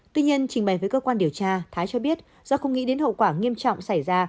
tuy nhiên trình bày với cơ quan điều tra thái cho biết do không nghĩ đến hậu quả nghiêm trọng xảy ra